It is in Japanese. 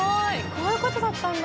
こういうことだったんだ。